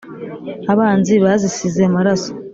Abanzi bazisize amaraso.”